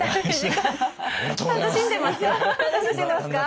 楽しんでますか？